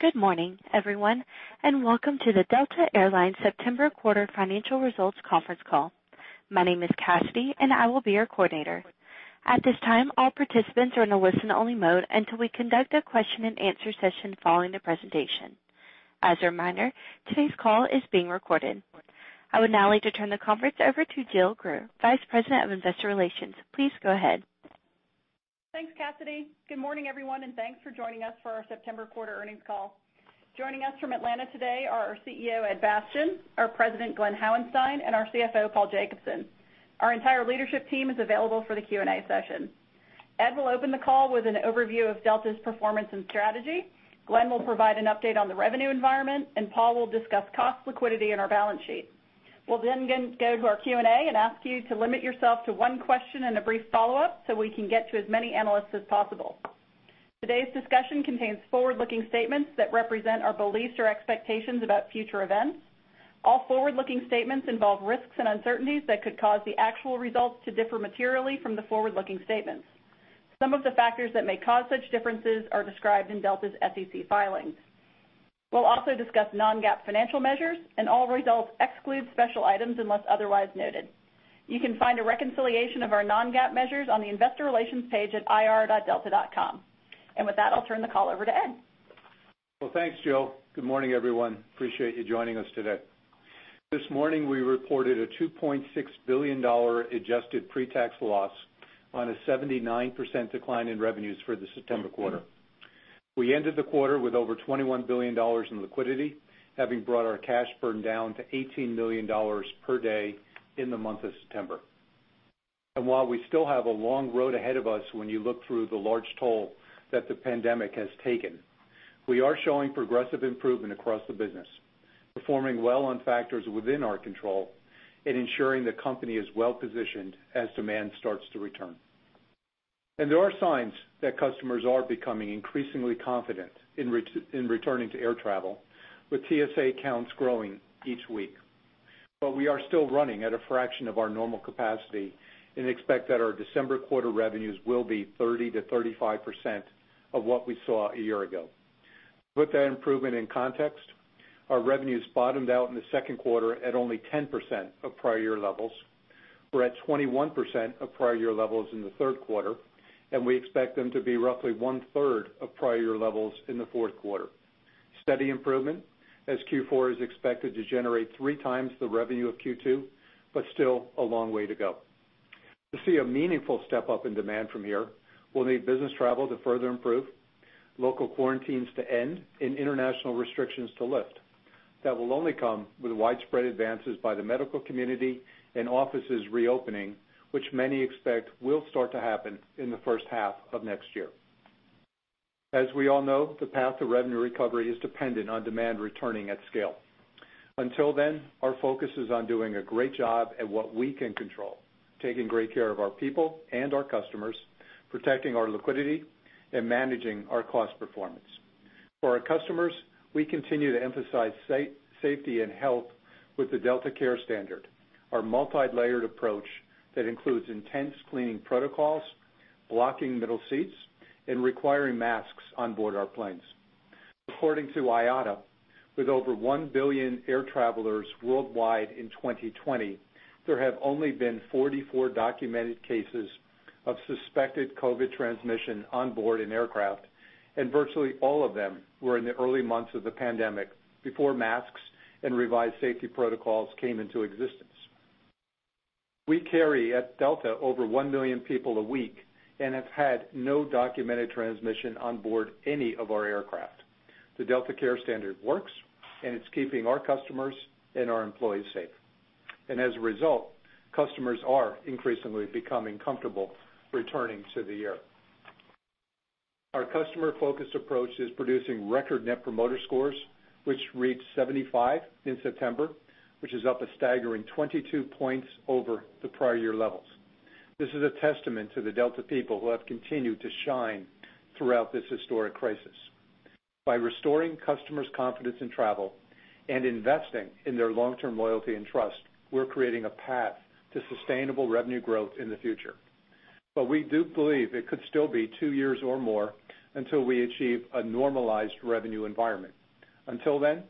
Good morning, everyone, and welcome to the Delta Air Lines September quarter financial results conference call. My name is Cassidy, and I will be your coordinator. At this time, all participants are in a listen-only mode until we conduct a question and answer session following the presentation. As a reminder, today's call is being recorded. I would now like to turn the conference over to Jill Greer, Vice President of Investor Relations. Please go ahead. Thanks, Cassidy. Good morning, everyone. Thanks for joining us for our September quarter earnings call. Joining us from Atlanta today are our CEO, Ed Bastian, our President, Glen Hauenstein, and our CFO, Paul Jacobson. Our entire leadership team is available for the Q&A session. Ed will open the call with an overview of Delta's performance and strategy, Glen will provide an update on the revenue environment, and Paul will discuss cost liquidity and our balance sheet. We'll then go to our Q&A and ask you to limit yourself to one question and a brief follow-up so we can get to as many analysts as possible. Today's discussion contains forward-looking statements that represent our beliefs or expectations about future events. All forward-looking statements involve risks and uncertainties that could cause the actual results to differ materially from the forward-looking statements. Some of the factors that may cause such differences are described in Delta's SEC filings. We'll also discuss non-GAAP financial measures, and all results exclude special items unless otherwise noted. You can find a reconciliation of our non-GAAP measures on the investor relations page at ir.delta.com. With that, I'll turn the call over to Ed. Well, thanks, Jill. Good morning, everyone. Appreciate you joining us today. This morning, we reported a $2.6 billion adjusted pre-tax loss on a 79% decline in revenues for the September quarter. We ended the quarter with over $21 billion in liquidity, having brought our cash burn down to $18 million per day in the month of September. While we still have a long road ahead of us when you look through the large toll that the pandemic has taken, we are showing progressive improvement across the business, performing well on factors within our control and ensuring the company is well-positioned as demand starts to return. There are signs that customers are becoming increasingly confident in returning to air travel with TSA counts growing each week. We are still running at a fraction of our normal capacity and expect that our December quarter revenues will be 30%-35% of what we saw a year ago. To put that improvement in context, our revenues bottomed out in the second quarter at only 10% of prior year levels. We're at 21% of prior year levels in the third quarter, we expect them to be roughly 1/3 of prior year levels in the fourth quarter. Steady improvement as Q4 is expected to generate three times the revenue of Q2, still a long way to go. To see a meaningful step-up in demand from here, we'll need business travel to further improve, local quarantines to end, and international restrictions to lift. That will only come with widespread advances by the medical community and offices reopening, which many expect will start to happen in the first half of next year. As we all know, the path to revenue recovery is dependent on demand returning at scale. Until then, our focus is on doing a great job at what we can control, taking great care of our people and our customers, protecting our liquidity, and managing our cost performance. For our customers, we continue to emphasize safety and health with the Delta CareStandard, our multi-layered approach that includes intense cleaning protocols, blocking middle seats, and requiring masks on board our planes. According to IATA, with over 1 billion air travelers worldwide in 2020, there have only been 44 documented cases of suspected COVID transmission on board an aircraft, and virtually all of them were in the early months of the pandemic before masks and revised safety protocols came into existence. We carry at Delta over 1 million people a week and have had no documented transmission on board any of our aircraft. The Delta CareStandard works, and it's keeping our customers and our employees safe. As a result, customers are increasingly becoming comfortable returning to the air. Our customer-focused approach is producing record Net Promoter Scores, which reached 75 in September, which is up a staggering 22 points over the prior year levels. This is a testament to the Delta people who have continued to shine throughout this historic crisis. By restoring customers' confidence in travel and investing in their long-term loyalty and trust, we're creating a path to sustainable revenue growth in the future. We do believe it could still be two years or more until we achieve a normalized revenue environment. Until then,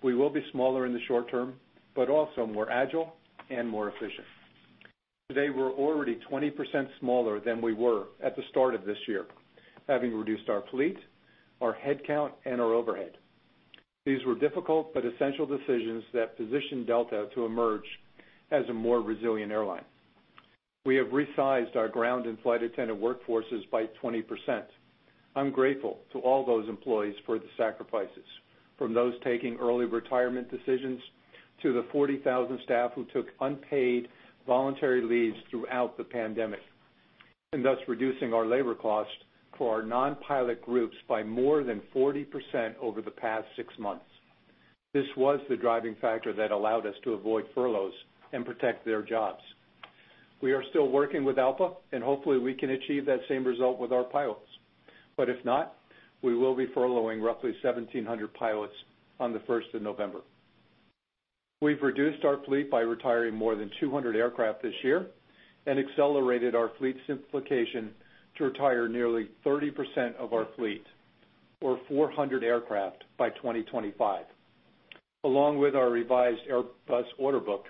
we will be smaller in the short term, but also more agile and more efficient. Today, we're already 20% smaller than we were at the start of this year, having reduced our fleet, our headcount, and our overhead. These were difficult but essential decisions that positioned Delta to emerge as a more resilient airline. We have resized our ground and flight attendant workforces by 20%. I'm grateful to all those employees for the sacrifices, from those taking early retirement decisions to the 40,000 staff who took unpaid voluntary leaves throughout the pandemic, thus reducing our labor cost for our non-pilot groups by more than 40% over the past six months. This was the driving factor that allowed us to avoid furloughs and protect their jobs. We are still working with ALPA, hopefully, we can achieve that same result with our pilots. If not, we will be furloughing roughly 1,700 pilots on the 1st of November. We've reduced our fleet by retiring more than 200 aircraft this year, accelerated our fleet simplification to retire nearly 30% of our fleet, or 400 aircraft, by 2025. Along with our revised Airbus order book,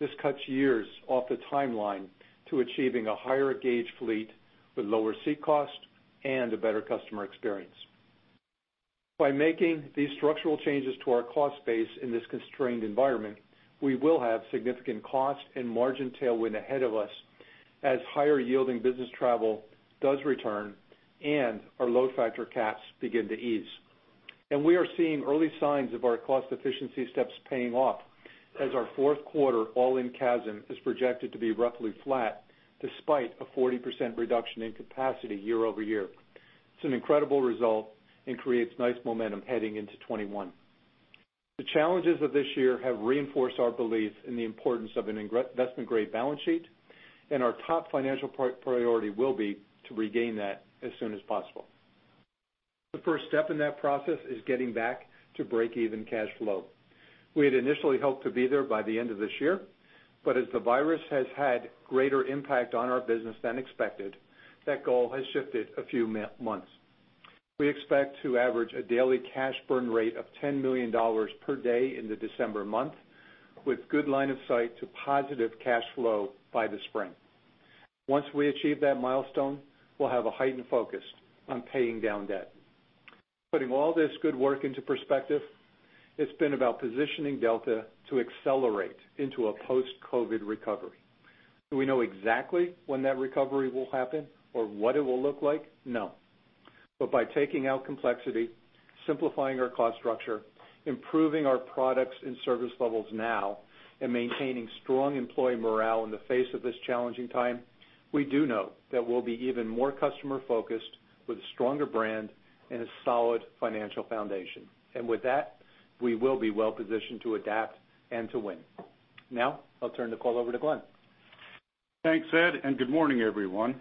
this cuts years off the timeline to achieving a higher gauge fleet with lower seat cost and a better customer experience. By making these structural changes to our cost base in this constrained environment, we will have significant cost and margin tailwind ahead of us as higher yielding business travel does return and our load factor CASM begin to ease. We are seeing early signs of our cost efficiency steps paying off as our fourth quarter all-in CASM is projected to be roughly flat despite a 40% reduction in capacity year-over-year. It's an incredible result and creates nice momentum heading into 2021. The challenges of this year have reinforced our belief in the importance of an investment-grade balance sheet, and our top financial priority will be to regain that as soon as possible. The first step in that process is getting back to break-even cash flow. We had initially hoped to be there by the end of this year, but as the virus has had greater impact on our business than expected, that goal has shifted a few months. We expect to average a daily cash burn rate of $10 million per day into December month, with good line of sight to positive cash flow by the spring. Once we achieve that milestone, we'll have a heightened focus on paying down debt. Putting all this good work into perspective, it's been about positioning Delta to accelerate into a post-COVID recovery. Do we know exactly when that recovery will happen or what it will look like? No. By taking out complexity, simplifying our cost structure, improving our products and service levels now, and maintaining strong employee morale in the face of this challenging time, we do know that we'll be even more customer-focused with a stronger brand and a solid financial foundation. With that, we will be well positioned to adapt and to win. Now, I'll turn the call over to Glen. Thanks, Ed, and good morning, everyone.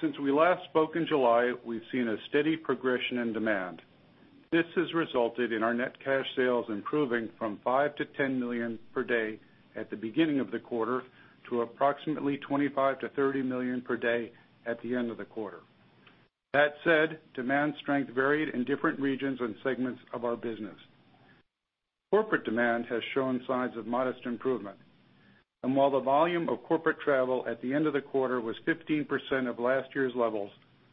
Since we last spoke in July, we've seen a steady progression in demand. This has resulted in our net cash sales improving from $5 million to $10 million per day at the beginning of the quarter to approximately $25 million-$30 million per day at the end of the quarter. That said, demand strength varied in different regions and segments of our business. Corporate demand has shown signs of modest improvement. While the volume of corporate travel at the end of the quarter was 15% of last year's levels,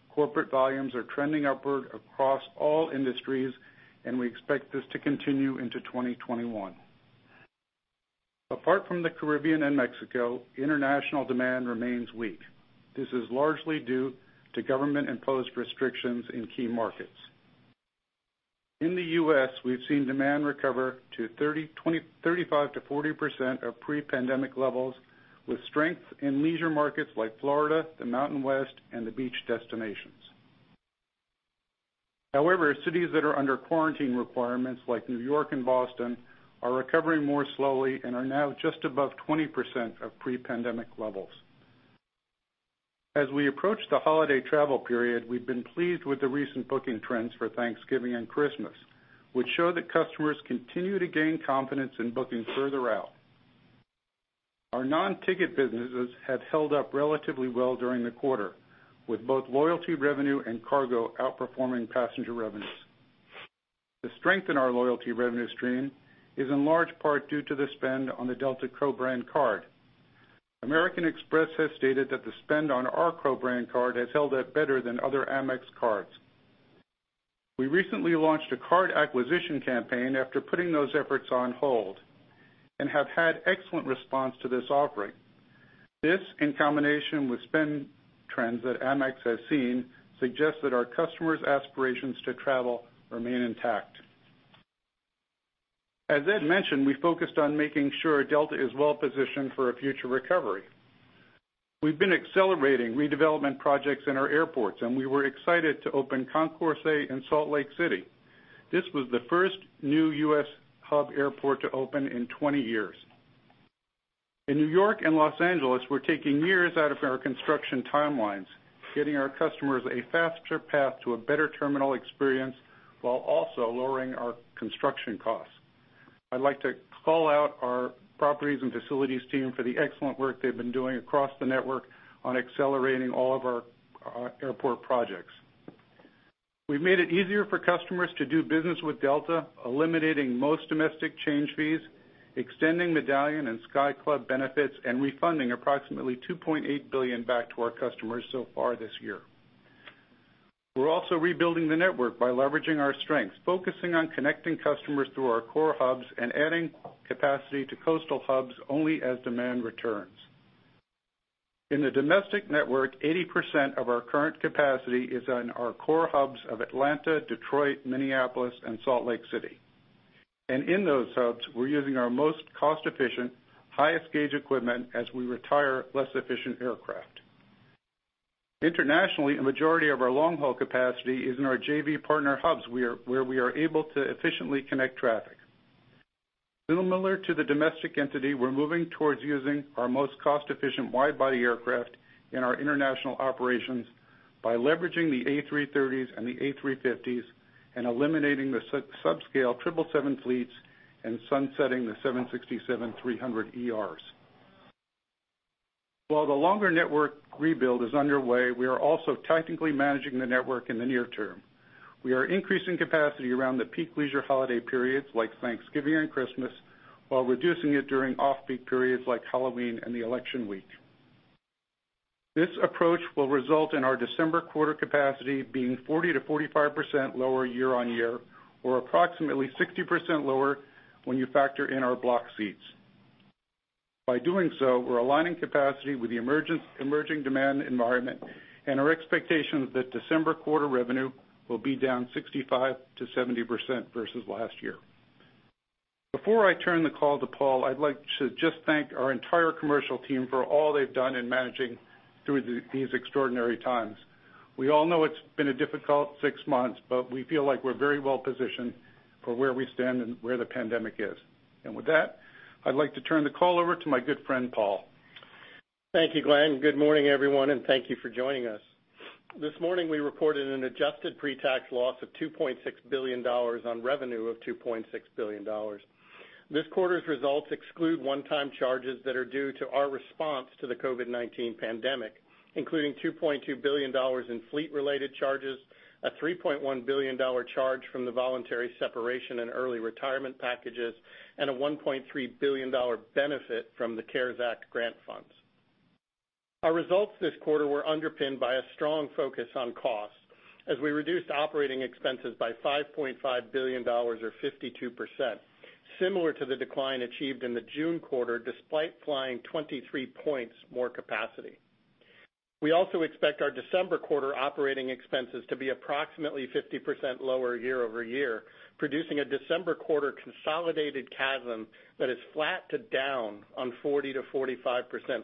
corporate volumes are trending upward across all industries, and we expect this to continue into 2021. Apart from the Caribbean and Mexico, international demand remains weak. This is largely due to government-imposed restrictions in key markets. In the U.S., we've seen demand recover to 35%-40% of pre-pandemic levels, with strength in leisure markets like Florida, the Mountain West, and the beach destinations. However, cities that are under quarantine requirements, like New York and Boston, are recovering more slowly and are now just above 20% of pre-pandemic levels. As we approach the holiday travel period, we've been pleased with the recent booking trends for Thanksgiving and Christmas, which show that customers continue to gain confidence in booking further out. Our non-ticket businesses have held up relatively well during the quarter, with both loyalty revenue and cargo outperforming passenger revenues. The strength in our loyalty revenue stream is in large part due to the spend on the Delta co-brand card. American Express has stated that the spend on our co-brand card has held up better than other Amex cards. We recently launched a card acquisition campaign after putting those efforts on hold and have had excellent response to this offering. This, in combination with spend trends that Amex has seen, suggests that our customers' aspirations to travel remain intact. As Ed mentioned, we focused on making sure Delta is well positioned for a future recovery. We've been accelerating redevelopment projects in our airports, and we were excited to open Concourse A in Salt Lake City. This was the first new U.S. hub airport to open in 20 years. In New York and Los Angeles, we're taking years out of our construction timelines, getting our customers a faster path to a better terminal experience while also lowering our construction costs. I'd like to call out our properties and facilities team for the excellent work they've been doing across the network on accelerating all of our airport projects. We've made it easier for customers to do business with Delta, eliminating most domestic change fees, extending Medallion and Sky Club benefits, and refunding approximately $2.8 billion back to our customers so far this year. We're also rebuilding the network by leveraging our strengths, focusing on connecting customers through our core hubs and adding capacity to coastal hubs only as demand returns. In the domestic network, 80% of our current capacity is in our core hubs of Atlanta, Detroit, Minneapolis, and Salt Lake City. In those hubs, we're using our most cost-efficient, highest gauge equipment as we retire less efficient aircraft. Internationally, a majority of our long-haul capacity is in our JV partner hubs, where we are able to efficiently connect traffic. Similar to the domestic entity, we're moving towards using our most cost-efficient wide-body aircraft in our international operations. By leveraging the A330s and the A350s and eliminating the subscale 777 fleets and sunsetting the 767-300ERs. While the longer network rebuild is underway, we are also tactically managing the network in the near term. We are increasing capacity around the peak leisure holiday periods like Thanksgiving and Christmas, while reducing it during off-peak periods like Halloween and the election week. This approach will result in our December quarter capacity being 40%-45% lower year-on-year, or approximately 60% lower when you factor in our block seats. By doing so, we're aligning capacity with the emerging demand environment and our expectation that December quarter revenue will be down 65%-70% versus last year. Before I turn the call to Paul, I'd like to just thank our entire commercial team for all they've done in managing through these extraordinary times. We all know it's been a difficult six months, but we feel like we're very well positioned for where we stand and where the pandemic is. With that, I'd like to turn the call over to my good friend, Paul. Thank you, Glen. Good morning, everyone, and thank you for joining us. This morning, we reported an adjusted pre-tax loss of $2.6 billion on revenue of $2.6 billion. This quarter's results exclude one-time charges that are due to our response to the COVID-19 pandemic, including $2.2 billion in fleet-related charges, a $3.1 billion charge from the voluntary separation and early retirement packages, and a $1.3 billion benefit from the CARES Act grant funds. Our results this quarter were underpinned by a strong focus on cost as we reduced operating expenses by $5.5 billion or 52%, similar to the decline achieved in the June quarter, despite flying 23 points more capacity. We also expect our December quarter operating expenses to be approximately 50% lower year-over-year, producing a December quarter consolidated CASM that is flat to down on 40%-45%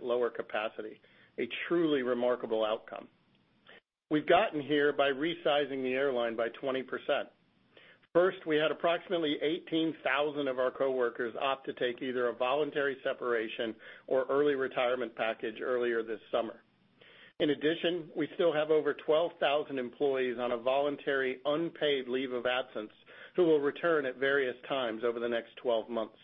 lower capacity. A truly remarkable outcome. We've gotten here by resizing the airline by 20%. First, we had approximately 18,000 of our coworkers opt to take either a voluntary separation or early retirement package earlier this summer. In addition, we still have over 12,000 employees on a voluntary unpaid leave of absence who will return at various times over the next 12 months.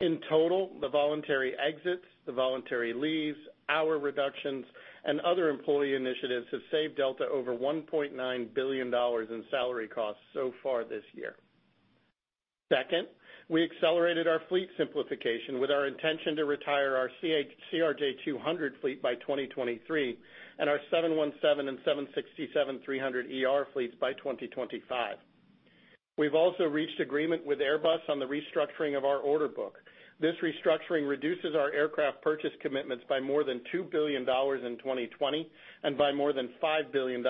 In total, the voluntary exits, the voluntary leaves, hour reductions, and other employee initiatives have saved Delta over $1.9 billion in salary costs so far this year. Second, we accelerated our fleet simplification with our intention to retire our CRJ200 fleet by 2023 and our 717 and 767-300ER fleets by 2025. We've also reached agreement with Airbus on the restructuring of our order book. This restructuring reduces our aircraft purchase commitments by more than $2 billion in 2020 and by more than $5 billion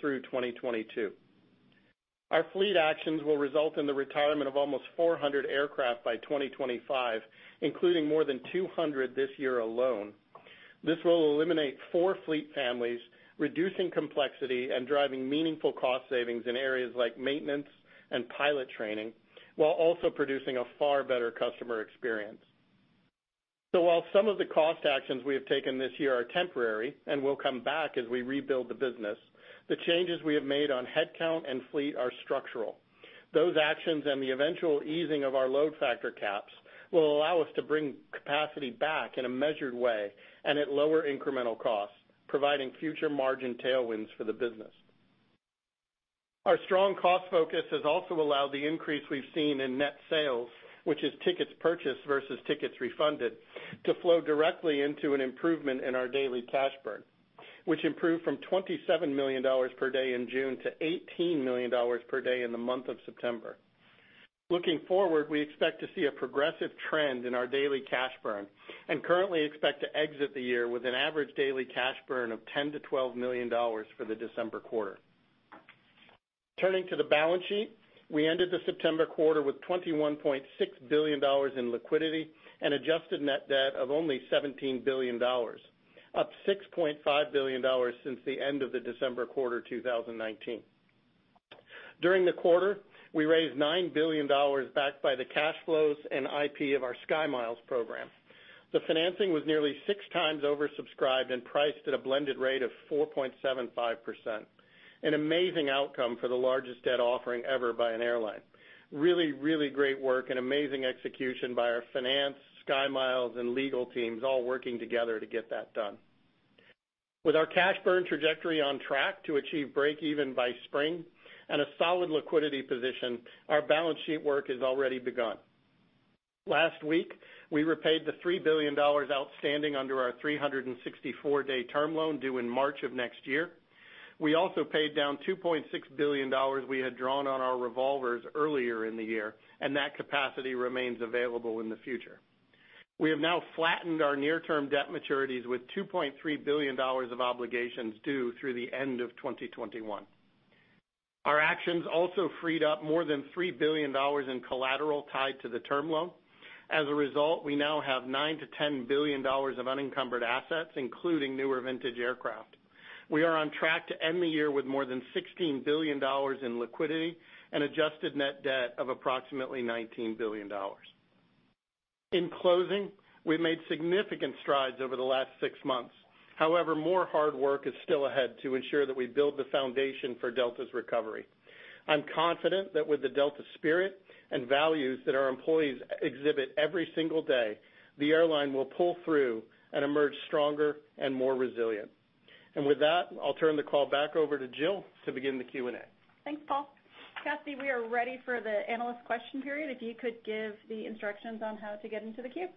through 2022. Our fleet actions will result in the retirement of almost 400 aircraft by 2025, including more than 200 this year alone. This will eliminate four fleet families, reducing complexity and driving meaningful cost savings in areas like maintenance and pilot training, while also producing a far better customer experience. While some of the cost actions we have taken this year are temporary and will come back as we rebuild the business, the changes we have made on headcount and fleet are structural. Those actions and the eventual easing of our load factor caps will allow us to bring capacity back in a measured way and at lower incremental costs, providing future margin tailwinds for the business. Our strong cost focus has also allowed the increase we've seen in net sales, which is tickets purchased versus tickets refunded, to flow directly into an improvement in our daily cash burn, which improved from $27 million per day in June to $18 million per day in the month of September. Looking forward, we expect to see a progressive trend in our daily cash burn and currently expect to exit the year with an average daily cash burn of $10 million-$12 million for the December quarter. Turning to the balance sheet. We ended the September quarter with $21.6 billion in liquidity and adjusted net debt of only $17 billion, up $6.5 billion since the end of the December quarter 2019. During the quarter, we raised $9 billion backed by the cash flows and IP of our SkyMiles program. The financing was nearly six times oversubscribed and priced at a blended rate of 4.75%, an amazing outcome for the largest debt offering ever by an airline. Really great work and amazing execution by our finance, SkyMiles, and legal teams, all working together to get that done. With our cash burn trajectory on track to achieve break even by spring and a solid liquidity position, our balance sheet work has already begun. Last week, we repaid the $3 billion outstanding under our 364-day term loan due in March of next year. We also paid down $2.6 billion we had drawn on our revolvers earlier in the year, and that capacity remains available in the future. We have now flattened our near-term debt maturities with $2.3 billion of obligations due through the end of 2021. Our actions also freed up more than $3 billion in collateral tied to the term loan. As a result, we now have $9 billion-$10 billion of unencumbered assets, including newer vintage aircraft. We are on track to end the year with more than $16 billion in liquidity and adjusted net debt of approximately $19 billion. In closing, we've made significant strides over the last six months. However, more hard work is still ahead to ensure that we build the foundation for Delta's recovery. I'm confident that with the Delta spirit and values that our employees exhibit every single day, the airline will pull through and emerge stronger and more resilient. With that, I'll turn the call back over to Jill to begin the Q&A. Thanks, Paul. Cathy, we are ready for the analyst question period, if you could give the instructions on how to get into the queue.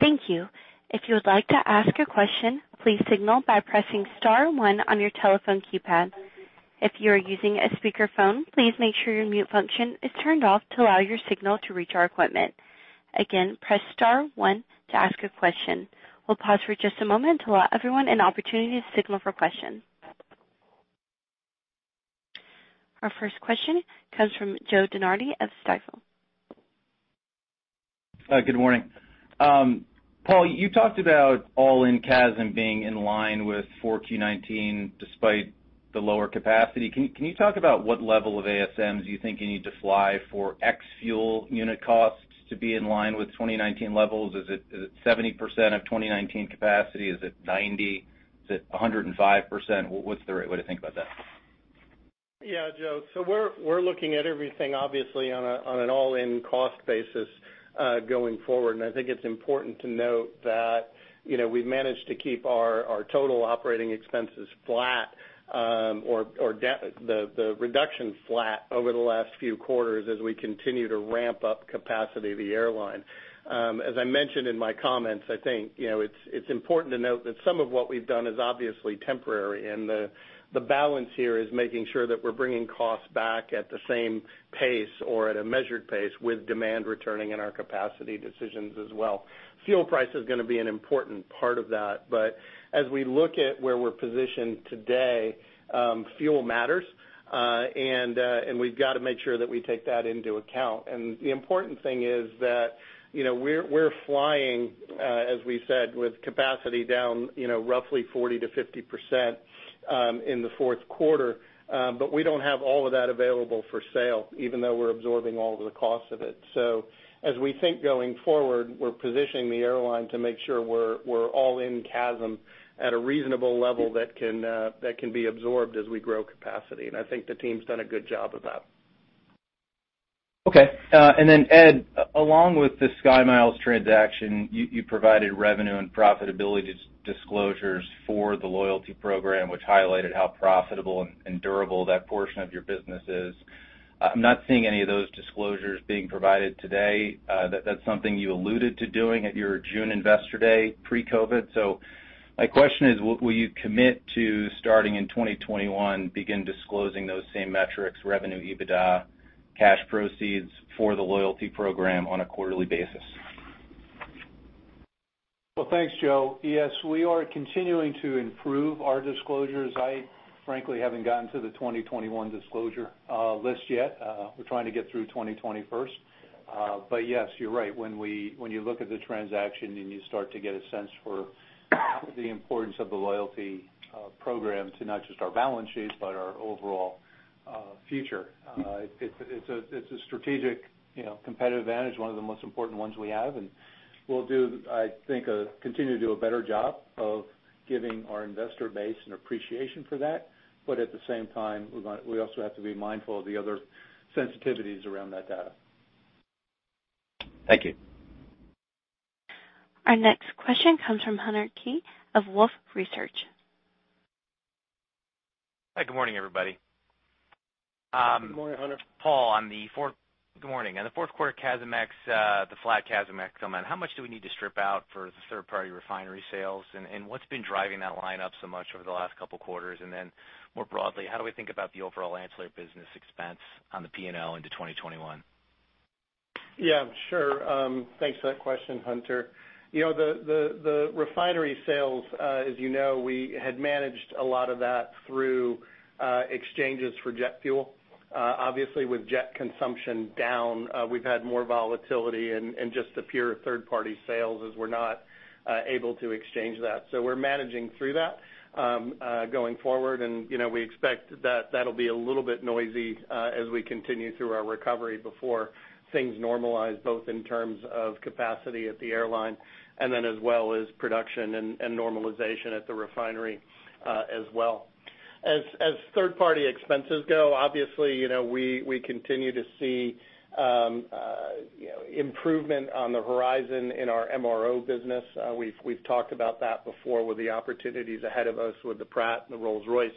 Thank you. If you would like to ask a question, please signal by pressing star one on your telephone keypad. If you are using a speakerphone, please make sure your mute function is turned off to allow your signal to reach our equipment. Again, press star one to ask a question. We'll pause for just a moment to allow everyone an opportunity to signal for questions. Our first question comes from Joe DeNardi of Stifel. Hi, good morning. Paul, you talked about all-in CASM being in line with 4Q19 despite the lower capacity. Can you talk about what level of ASMs you think you need to fly for ex fuel unit costs to be in line with 2019 levels? Is it 70% of 2019 capacity? Is it 90? Is it 105%? What's the right way to think about that? Yeah, Joe. We're looking at everything obviously on an all-in cost basis going forward, and I think it's important to note that we've managed to keep our total operating expenses flat or the reduction flat over the last few quarters as we continue to ramp up capacity of the airline. As I mentioned in my comments, I think it's important to note that some of what we've done is obviously temporary, and the balance here is making sure that we're bringing costs back at the same pace or at a measured pace with demand returning and our capacity decisions as well. Fuel price is going to be an important part of that, but as we look at where we're positioned today, fuel matters. We've got to make sure that we take that into account. The important thing is that we're flying, as we said, with capacity down roughly 40%-50% in the fourth quarter. We don't have all of that available for sale, even though we're absorbing all of the cost of it. As we think going forward, we're positioning the airline to make sure we're all in CASM at a reasonable level that can be absorbed as we grow capacity. I think the team's done a good job of that. Okay. Ed, along with the SkyMiles transaction, you provided revenue and profitability disclosures for the loyalty program, which highlighted how profitable and durable that portion of your business is. I'm not seeing any of those disclosures being provided today. That's something you alluded to doing at your June investor day pre-COVID. My question is, will you commit to starting in 2021, begin disclosing those same metrics, revenue, EBITDA, cash proceeds for the loyalty program on a quarterly basis? Well, thanks, Joe. Yes, we are continuing to improve our disclosures. I frankly haven't gotten to the 2021 disclosure list yet. We're trying to get through 2020 first. Yes, you're right. When you look at the transaction and you start to get a sense for the importance of the loyalty program to not just our balance sheets, but our overall future. It's a strategic competitive advantage, one of the most important ones we have, and we'll do, I think, continue to do a better job of giving our investor base an appreciation for that. At the same time, we also have to be mindful of the other sensitivities around that data. Thank you. Our next question comes from Hunter Keay of Wolfe Research. Hi, good morning, everybody. Good morning, Hunter. Paul, Good morning. On the fourth quarter CASM ex, the flat CASM ex, how much do we need to strip out for the third-party refinery sales? What's been driving that line up so much over the last couple of quarters? More broadly, how do we think about the overall ancillary business expense on the P&L into 2021? Yeah, sure. Thanks for that question, Hunter. The refinery sales, as you know, we had managed a lot of that through exchanges for jet fuel. Obviously, with jet consumption down, we've had more volatility and just the pure third-party sales as we're not able to exchange that. We're managing through that going forward, and we expect that that'll be a little bit noisy as we continue through our recovery before things normalize, both in terms of capacity at the airline and then as well as production and normalization at the refinery as well. As third-party expenses go, obviously, we continue to see improvement on the horizon in our MRO business. We've talked about that before with the opportunities ahead of us with the Pratt and the Rolls-Royce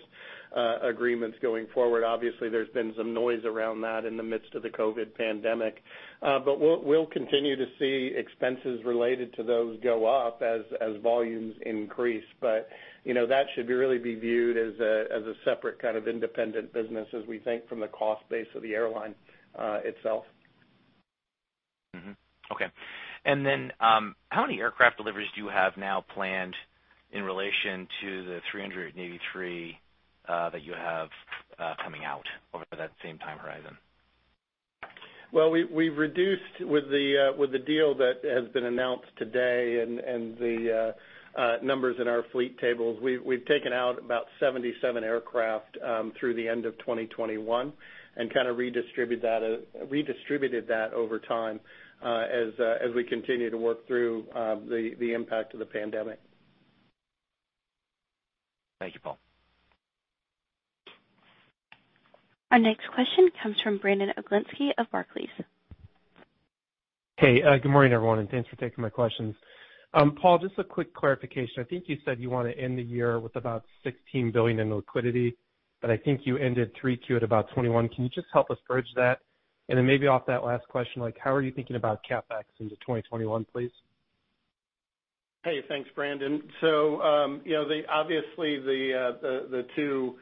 agreements going forward. Obviously, there's been some noise around that in the midst of the COVID-19 pandemic. We'll continue to see expenses related to those go up as volumes increase. That should really be viewed as a separate kind of independent business as we think from the cost base of the airline itself. Okay. Then how many aircraft deliveries do you have now planned in relation to the 383 that you have coming out over that same time horizon? We've reduced with the deal that has been announced today and the numbers in our fleet tables. We've taken out about 77 aircraft through the end of 2021 and kind of redistributed that over time as we continue to work through the impact of the pandemic. Thank you, Paul. Our next question comes from Brandon Oglenski of Barclays. Hey, good morning, everyone, and thanks for taking my questions. Paul, just a quick clarification. I think you said you want to end the year with about $16 billion in liquidity, but I think you ended Q3 at about $21 billion. Can you just help us bridge that? Maybe off that last question, how are you thinking about CapEx into 2021, please? Thanks, Brandon. Obviously, the two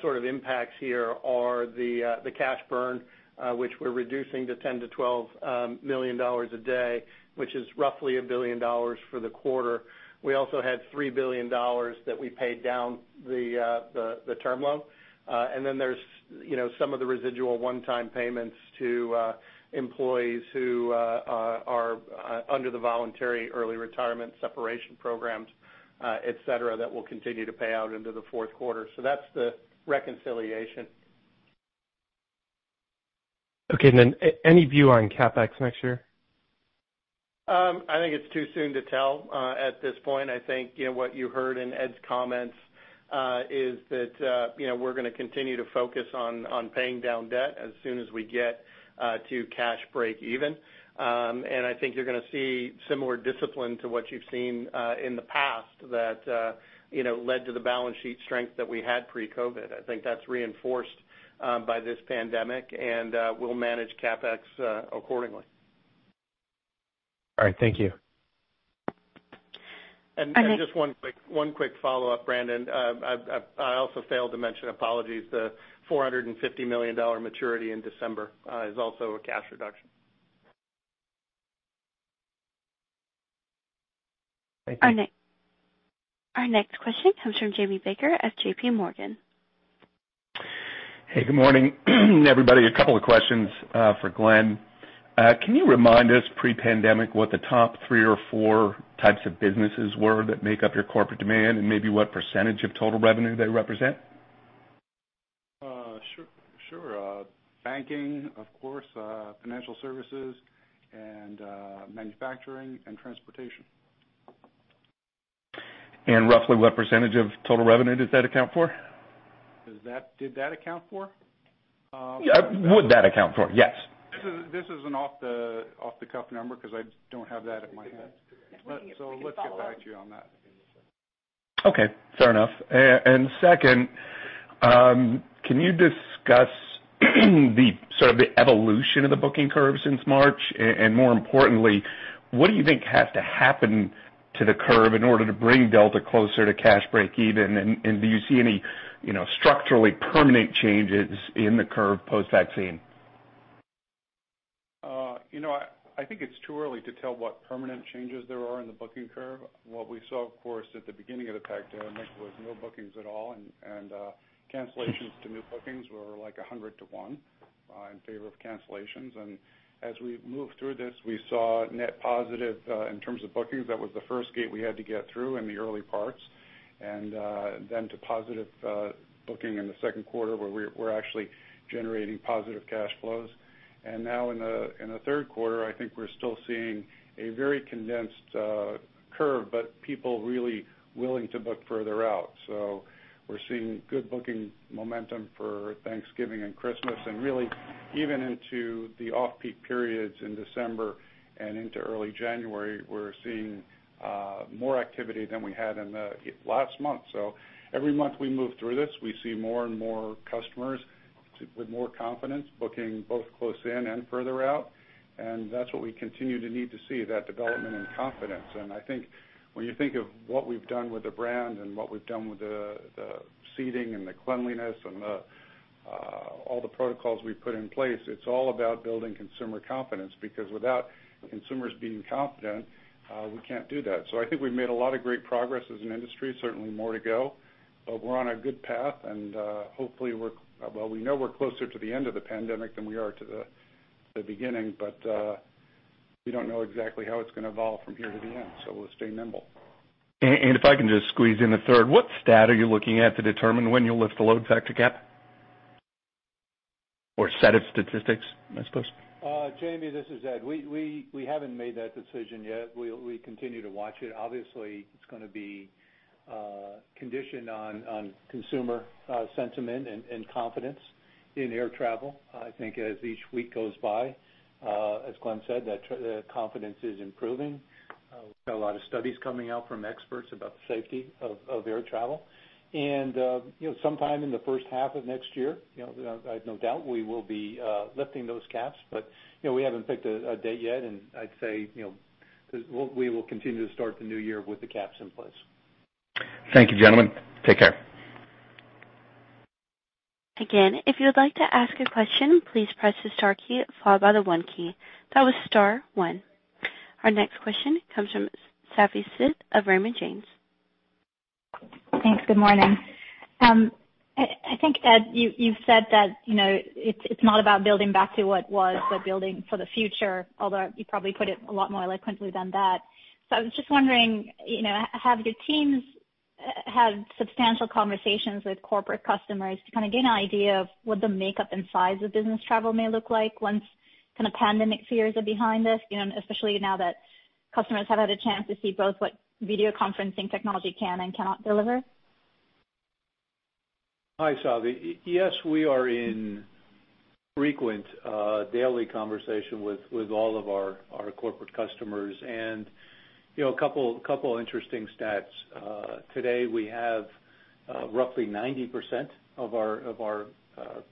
sort of impacts here are the cash burn, which we're reducing to $10 million-$12 million a day, which is roughly $1 billion for the quarter. We also had $3 billion that we paid down the term loan. There's some of the residual one-time payments to employees who are under the voluntary early retirement separation programs, et cetera, that we'll continue to pay out into the fourth quarter. That's the reconciliation. Okay. Then any view on CapEx next year? I think it's too soon to tell at this point. I think what you heard in Ed's comments is that we're going to continue to focus on paying down debt as soon as we get to cash breakeven. I think you're going to see similar discipline to what you've seen in the past that led to the balance sheet strength that we had pre-COVID. I think that's reinforced by this pandemic, and we'll manage CapEx accordingly. All right. Thank you. And then- Just one quick follow-up, Brandon. I also failed to mention, apologies, the $450 million maturity in December is also a cash reduction. Thank you. Our next question comes from Jamie Baker at JPMorgan. Hey, good morning, everybody. A couple of questions for Glen. Can you remind us pre-pandemic what the top 3 or 4 types of businesses were that make up your corporate demand, and maybe what percentage of total revenue they represent? Sure. Banking, of course, financial services, and manufacturing and transportation. Roughly what percentage of total revenue does that account for? Did that account for? Would that account for? Yes. This is an off-the-cuff number because I don't have that at my hand. If we can follow up. Let's get back to you on that. Okay. Fair enough. Second, can you discuss sort of the evolution of the booking curve since March? More importantly, what do you think has to happen to the curve in order to bring Delta closer to cash breakeven? Do you see any structurally permanent changes in the curve post-vaccine? I think it's too early to tell what permanent changes there are in the booking curve. What we saw, of course, at the beginning of the pandemic was no bookings at all and cancellations to new bookings were like 100 to 1 in favor of cancellations. As we moved through this, we saw net positive in terms of bookings. That was the first gate we had to get through in the early parts. Then to positive booking in the second quarter, where we're actually generating positive cash flows. Now in the third quarter, I think we're still seeing a very condensed curve, but people really willing to book further out. We're seeing good booking momentum for Thanksgiving and Christmas, and really even into the off-peak periods in December and into early January, we're seeing more activity than we had in the last month. Every month we move through this, we see more and more customers with more confidence booking both close in and further out. That's what we continue to need to see, that development and confidence. I think when you think of what we've done with the brand and what we've done with the seating and the cleanliness and all the protocols we've put in place, it's all about building consumer confidence, because without consumers being confident, we can't do that. I think we've made a lot of great progress as an industry. Certainly more to go, but we're on a good path and hopefully, well, we know we're closer to the end of the pandemic than we are to the beginning, but we don't know exactly how it's going to evolve from here to the end, so we'll stay nimble. If I can just squeeze in a third, what stat are you looking at to determine when you'll lift the load factor cap or set of statistics, I suppose? Jamie, this is Ed. We haven't made that decision yet. We continue to watch it. Obviously, it's going to be conditioned on consumer sentiment and confidence in air travel. I think as each week goes by, as Glen said, that confidence is improving. We've got a lot of studies coming out from experts about the safety of air travel. Sometime in the first half of next year, I have no doubt we will be lifting those caps. We haven't picked a date yet, and I'd say we will continue to start the new year with the caps in place. Thank you, gentlemen. Take care. Again, if you would like to ask a question, please press the star key followed by the one key. That was star one. Our next question comes from Savi Syth of Raymond James. Thanks. Good morning. I think, Ed, you've said that it's not about building back to what was, but building for the future, although you probably put it a lot more eloquently than that. I was just wondering, have your teams had substantial conversations with corporate customers to kind of get an idea of what the makeup and size of business travel may look like once kind of pandemic fears are behind us, especially now that customers have had a chance to see both what video conferencing technology can and cannot deliver? Hi, Savi. Yes, we are in frequent daily conversation with all of our corporate customers. A couple interesting stats. Today, we have roughly 90% of our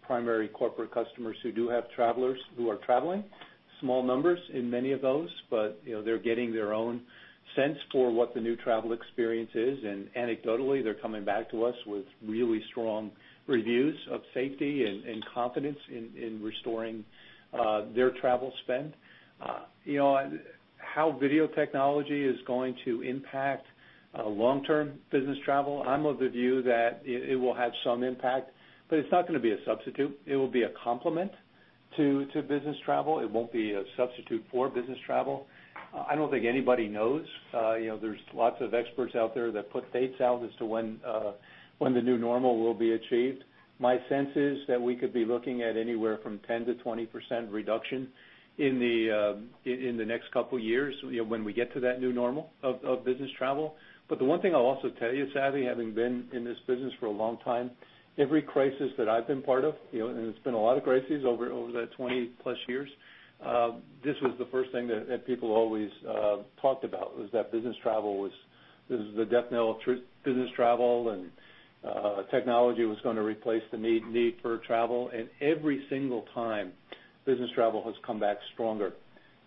primary corporate customers who do have travelers who are traveling. Small numbers in many of those, but they're getting their own sense for what the new travel experience is. Anecdotally, they're coming back to us with really strong reviews of safety and confidence in restoring their travel spend. How video technology is going to impact long-term business travel, I'm of the view that it will have some impact, but it's not going to be a substitute. It will be a complement to business travel. It won't be a substitute for business travel. I don't think anybody knows. There's lots of experts out there that put dates out as to when the new normal will be achieved. My sense is that we could be looking at anywhere from 10%-20% reduction in the next couple of years, when we get to that new normal of business travel. The one thing I'll also tell you, Savi, having been in this business for a long time, every crisis that I've been part of, and it's been a lot of crises over that 20+ years, this was the first thing that people always talked about, was that this is the death knell of business travel, and technology was going to replace the need for travel. Every single time, business travel has come back stronger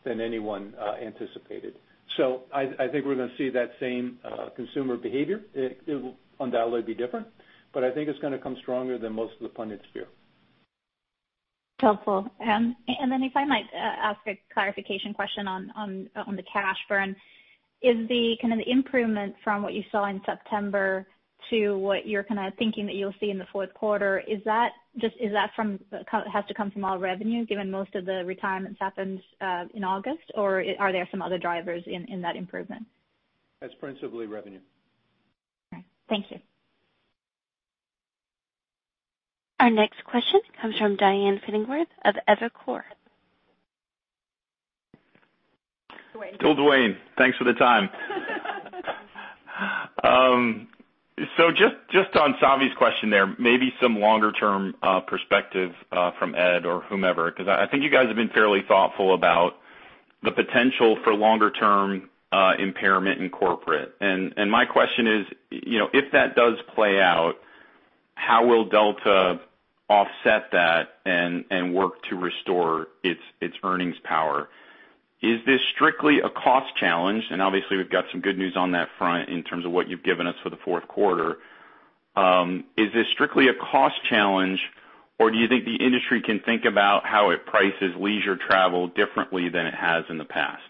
than anyone anticipated. I think we're going to see that same consumer behavior. It will undoubtedly be different, but I think it's going to come stronger than most of the pundits fear. Helpful. Then if I might ask a clarification question on the cash burn. Is the kind of the improvement from what you saw in September to what you're kind of thinking that you'll see in the fourth quarter, is that from has to come from all revenue given most of the retirements happened in August, or are there some other drivers in that improvement? That's principally revenue. Okay. Thank you. Our next question comes from Duane Pfennigwerth of Evercore. Duane. Thanks for the time. Just on Savi's question there, maybe some longer-term perspective from Ed or whomever, because I think you guys have been fairly thoughtful about the potential for longer-term impairment in corporate. My question is, if that does play out, how will Delta offset that and work to restore its earnings power? Is this strictly a cost challenge? Obviously, we've got some good news on that front in terms of what you've given us for the fourth quarter. Is this strictly a cost challenge, or do you think the industry can think about how it prices leisure travel differently than it has in the past?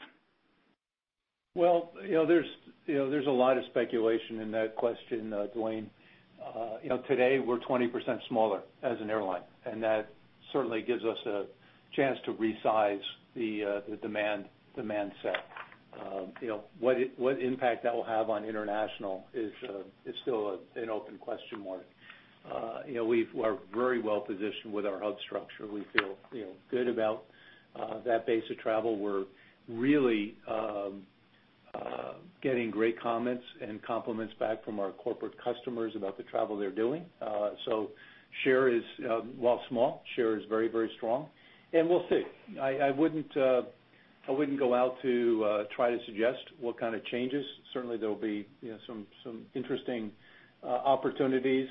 Well, there's a lot of speculation in that question, Duane. Today, we're 20% smaller as an airline. That certainly gives us a chance to resize the demand set. What impact that will have on international is still an open question mark. We are very well-positioned with our hub structure. We feel good about that base of travel. We're really getting great comments and compliments back from our corporate customers about the travel they're doing. While small, share is very strong, and we'll see. I wouldn't go out to try to suggest what kind of changes. Certainly, there will be some interesting opportunities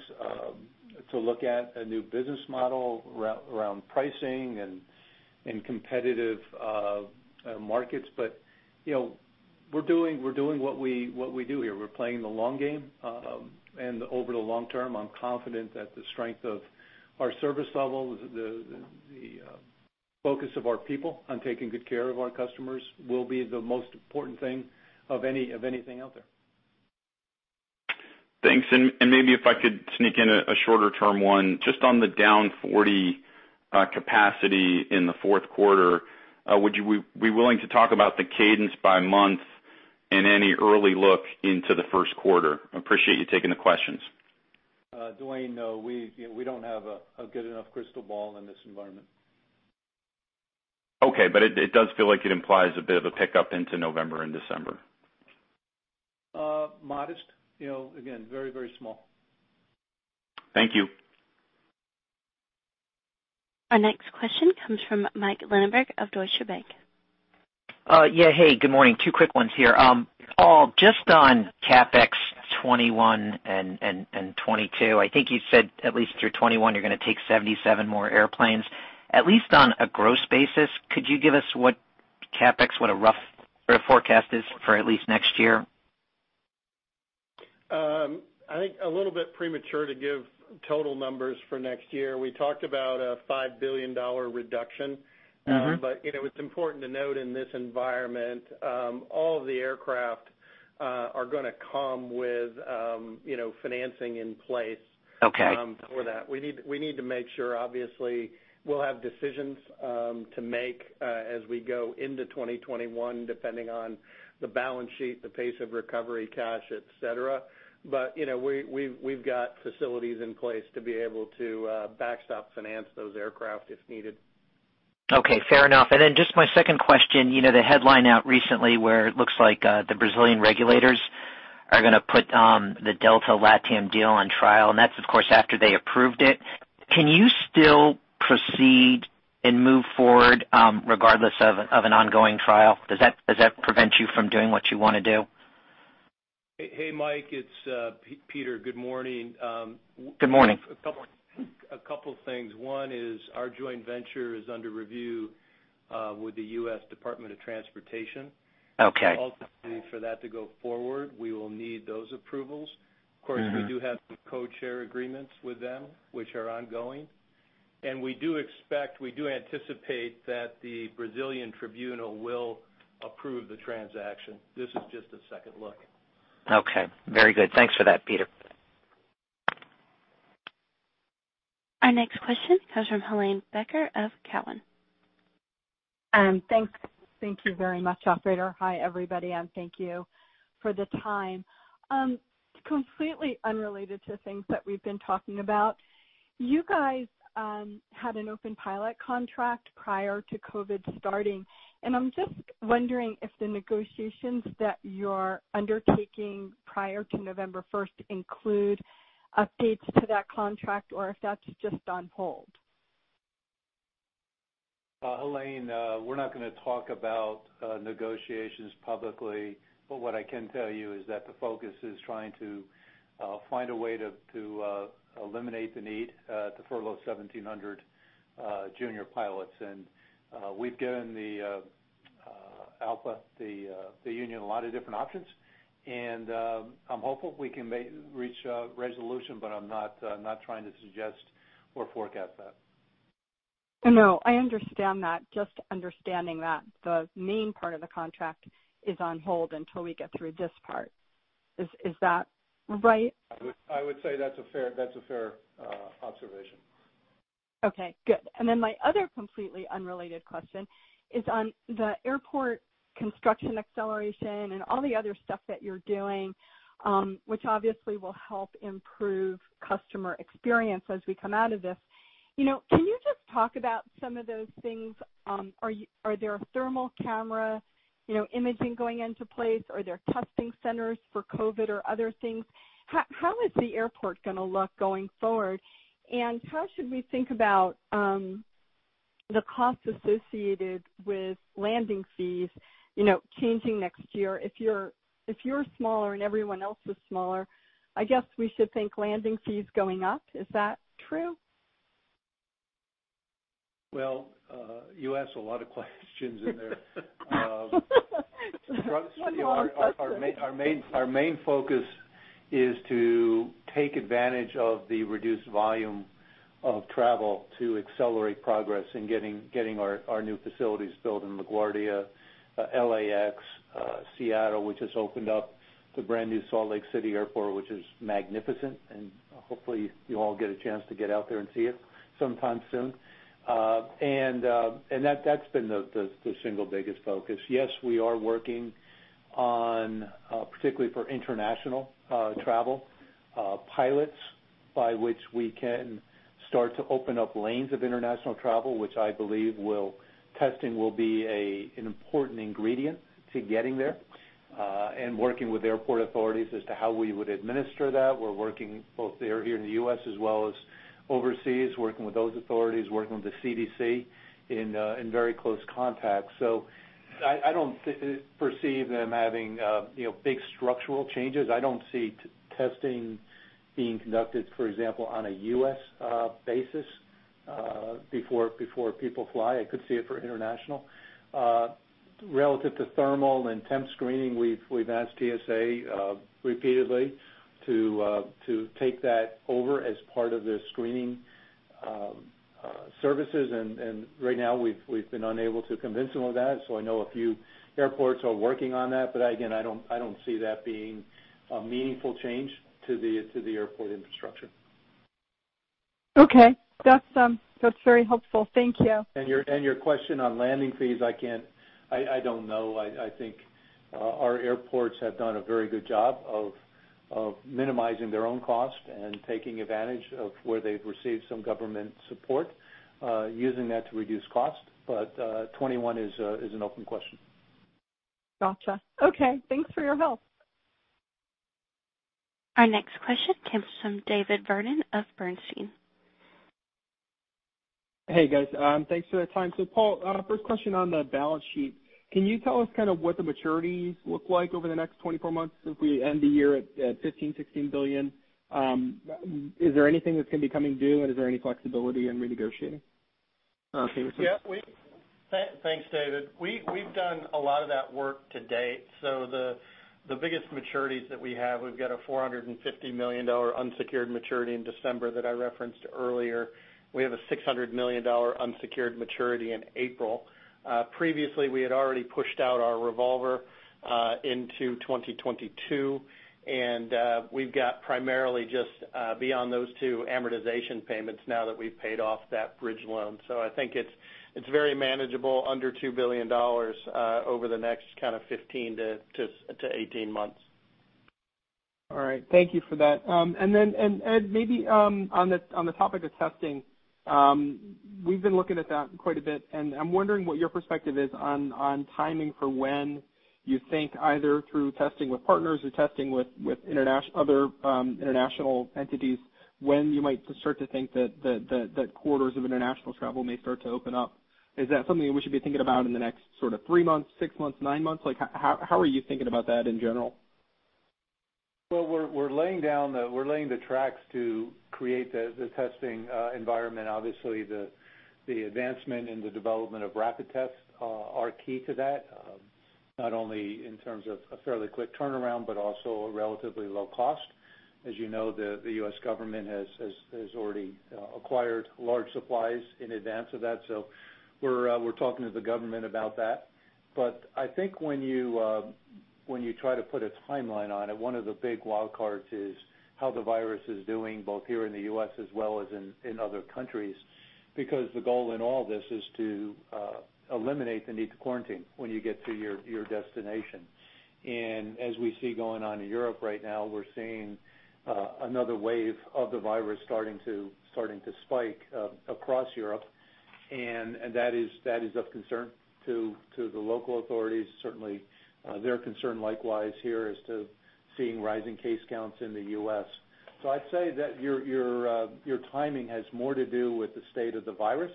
to look at a new business model around pricing and competitive markets. We're doing what we do here. We're playing the long game. Over the long term, I'm confident that the strength of our service level, the focus of our people on taking good care of our customers will be the most important thing of anything out there. Thanks. Maybe if I could sneak in a shorter-term one, just on the down 40 capacity in the fourth quarter. Would you be willing to talk about the cadence by month and any early look into the first quarter? Appreciate you taking the questions. Duane, no. We don't have a good enough crystal ball in this environment. It does feel like it implies a bit of a pickup into November and December. Modest. Again, very small. Thank you. Our next question comes from Mike Linenberg of Deutsche Bank. Yeah. Hey, good morning. Two quick ones here. Paul, just on CapEx 2021 and 2022. I think you said at least through 2021, you're going to take 77 more airplanes. At least on a gross basis, could you give us what CapEx, a rough forecast is for at least next year? I think a little bit premature to give total numbers for next year. We talked about a $5 billion reduction. It's important to note in this environment, all of the aircraft are going to come with financing in place. Okay for that. We need to make sure, obviously, we'll have decisions to make as we go into 2021 depending on the balance sheet, the pace of recovery, cash, et cetera. We've got facilities in place to be able to backstop finance those aircraft if needed. Okay. Fair enough. Just my second question, the headline out recently where it looks like the Brazilian regulators are going to put the Delta-LATAM deal on trial, and that's of course after they approved it. Can you still proceed and move forward, regardless of an ongoing trial? Does that prevent you from doing what you want to do? Hey, Mike, it's Peter. Good morning. Good morning. A couple of things. One is our joint venture is under review, with the U.S. Department of Transportation. Okay. Ultimately, for that to go forward, we will need those approvals. We do have some codeshare agreements with them, which are ongoing. We do expect, we do anticipate that the Brazilian tribunal will approve the transaction. This is just a second look. Okay. Very good. Thanks for that, Peter. Our next question comes from Helane Becker of Cowen. Thanks. Thank you very much, operator. Hi, everybody, thank you for the time. Completely unrelated to things that we've been talking about, you guys had an open pilot contract prior to COVID starting. I'm just wondering if the negotiations that you're undertaking prior to November 1st include updates to that contract or if that's just on hold. Helane, we're not going to talk about negotiations publicly, but what I can tell you is that the focus is trying to find a way to eliminate the need to furlough 1,700 junior pilots. We've given ALPA, the union, a lot of different options, and I'm hopeful we can reach a resolution, but I'm not trying to suggest or forecast that. No, I understand that. Just understanding that the main part of the contract is on hold until we get through this part. Is that right? I would say that's a fair observation. Okay, good. My other completely unrelated question is on the airport construction acceleration and all the other stuff that you're doing, which obviously will help improve customer experience as we come out of this. Can you just talk about some of those things? Are there thermal camera imaging going into place? Are there testing centers for COVID or other things? How is the airport going to look going forward? How should we think about the cost associated with landing fees changing next year? If you're smaller and everyone else is smaller, I guess we should think landing fees going up. Is that true? Well, you asked a lot of questions in there. One long question. Our main focus is to take advantage of the reduced volume of travel to accelerate progress in getting our new facilities built in LaGuardia, LAX, Seattle, which has opened up the brand-new Salt Lake City Airport, which is magnificent, and hopefully, you all get a chance to get out there and see it sometime soon. That's been the single biggest focus. We are working on, particularly for international travel, protocols by which we can start to open up lanes of international travel, which I believe testing will be an important ingredient to getting there, and working with airport authorities as to how we would administer that. We're working both here in the U.S. as well as overseas, working with those authorities, working with the CDC in very close contact. I don't perceive them having big structural changes. I don't see testing being conducted, for example, on a U.S. basis before people fly. I could see it for international. Relative to thermal and temp screening, we've asked TSA repeatedly to take that over as part of their screening services. Right now, we've been unable to convince them of that. I know a few airports are working on that, but again, I don't see that being a meaningful change to the airport infrastructure. Okay. That's very helpful. Thank you. Your question on landing fees, I don't know. I think our airports have done a very good job of minimizing their own cost and taking advantage of where they've received some government support, using that to reduce cost. 2021 is an open question. Got you. Okay, thanks for your help. Our next question comes from David Vernon of Bernstein. Hey, guys. Thanks for the time. Paul, first question on the balance sheet. Can you tell us what the maturities look like over the next 24 months if we end the year at $15 billion, $16 billion? Is there anything that's going to be coming due, and is there any flexibility in renegotiating? Thanks, David. The biggest maturities that we have, we've got a $450 million unsecured maturity in December that I referenced earlier. We have a $600 million unsecured maturity in April. Previously, we had already pushed out our revolver into 2022, and we've got primarily just, beyond those two, amortization payments now that we've paid off that bridge loan. I think it's very manageable, under $2 billion over the next 15-18 months. All right. Thank you for that. Ed, maybe on the topic of testing, we've been looking at that quite a bit, I'm wondering what your perspective is on timing for when you think either through testing with partners or testing with other international entities, when you might start to think that corridors of international travel may start to open up. Is that something we should be thinking about in the next three months, six months, nine months? How are you thinking about that in general? Well, we're laying the tracks to create the testing environment. Obviously, the advancement in the development of rapid tests are key to that, not only in terms of a fairly quick turnaround, but also a relatively low cost. As you know, the U.S. government has already acquired large supplies in advance of that, so we're talking to the government about that. I think when you try to put a timeline on it, one of the big wild cards is how the virus is doing, both here in the U.S. as well as in other countries. The goal in all this is to eliminate the need to quarantine when you get to your destination. As we see going on in Europe right now, we're seeing another wave of the virus starting to spike across Europe. That is of concern to the local authorities. Certainly, their concern likewise here is to seeing rising case counts in the U.S. I'd say that your timing has more to do with the state of the virus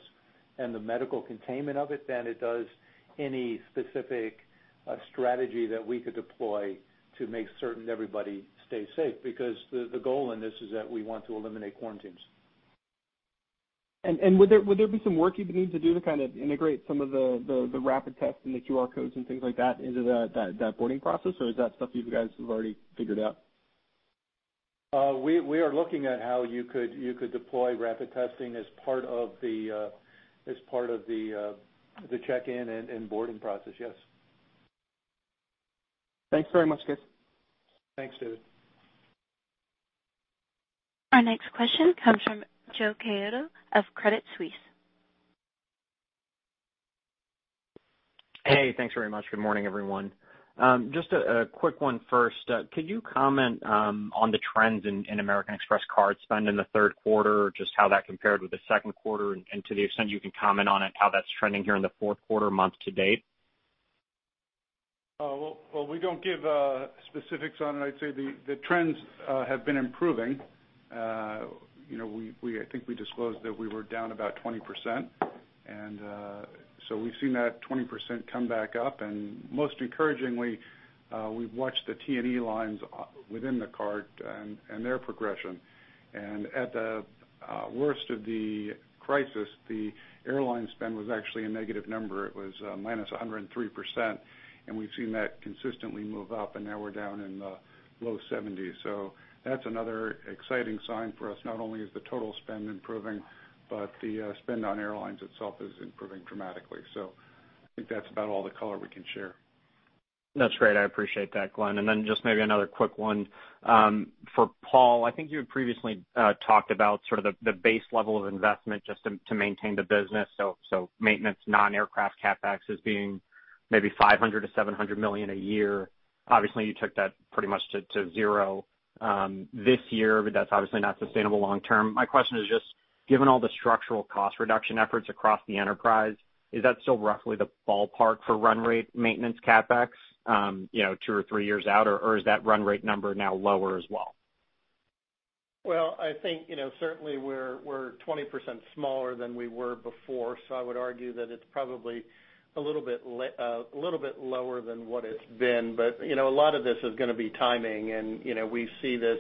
and the medical containment of it than it does any specific strategy that we could deploy to make certain that everybody stays safe, because the goal in this is that we want to eliminate quarantines. Would there be some work you'd need to do to integrate some of the rapid tests and the QR codes and things like that into that boarding process, or is that stuff you guys have already figured out? We are looking at how you could deploy rapid testing as part of the check-in and boarding process, yes. Thanks very much, guys. Thanks, David. Our next question comes from Joe Caiado of Credit Suisse. Hey, thanks very much. Good morning, everyone. Just a quick one first. Could you comment on the trends in American Express card spend in the third quarter, just how that compared with the second quarter? To the extent you can comment on it, how that's trending here in the fourth quarter month-to-date? Well, we don't give specifics on it. I'd say the trends have been improving. I think we disclosed that we were down about 20%. We've seen that 20% come back up. Most encouragingly, we've watched the T&E lines within the card and their progression. At the worst of the crisis, the airline spend was actually a negative number. It was -103%. We've seen that consistently move up. Now we're down in the low 70s. That's another exciting sign for us. Not only is the total spend improving, but the spend on airlines itself is improving dramatically. I think that's about all the color we can share. That's great. I appreciate that, Glen. Just maybe another quick one. For Paul, I think you had previously talked about the base level of investment just to maintain the business, so maintenance, non-aircraft CapEx as being maybe $500 million-$700 million a year. Obviously, you took that pretty much to zero this year, that's obviously not sustainable long term. My question is just, given all the structural cost reduction efforts across the enterprise, is that still roughly the ballpark for run rate maintenance CapEx two or three years out, is that run rate number now lower as well? Well, I think certainly we're 20% smaller than we were before, so I would argue that it's probably a little bit lower than what it's been. A lot of this is going to be timing, and we see this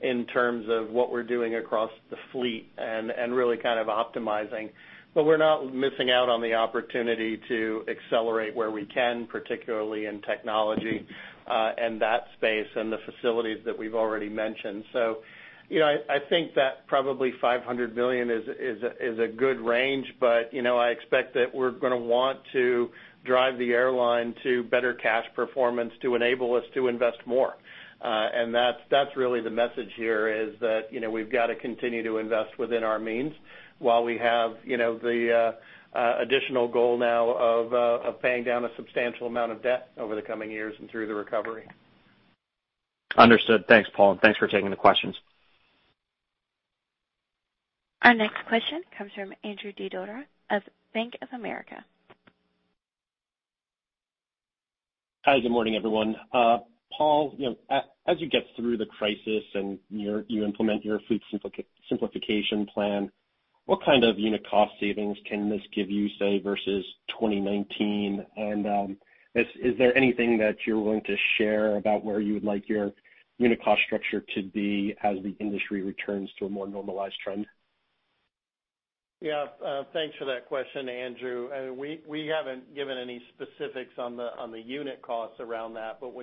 in terms of what we're doing across the fleet and really optimizing. We're not missing out on the opportunity to accelerate where we can, particularly in technology and that space and the facilities that we've already mentioned. I think that probably $500 million is a good range, but I expect that we're going to want to drive the airline to better cash performance to enable us to invest more. That's really the message here, is that we've got to continue to invest within our means while we have the additional goal now of paying down a substantial amount of debt over the coming years and through the recovery. Understood. Thanks, Paul, and thanks for taking the questions. Our next question comes from Andrew Didora of Bank of America. Hi, good morning, everyone. Paul, as you get through the crisis and you implement your fleet simplification plan, what kind of unit cost savings can this give you, say, versus 2019? Is there anything that you're willing to share about where you would like your unit cost structure to be as the industry returns to a more normalized trend? Thanks for that question, Andrew. When